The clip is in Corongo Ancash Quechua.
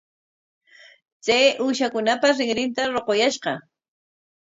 Chay uushakunapa rinrinta ruquyashqa.